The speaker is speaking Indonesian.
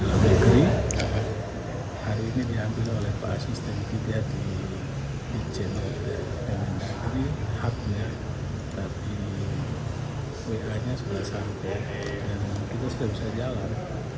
akhirnya sudah sampai dan kita sudah bisa jalan